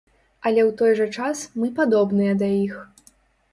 Але ў той жа час, мы падобныя да іх.